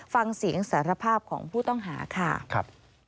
ฟังเสียงสารภาพของผู้ต้องหาค่ะ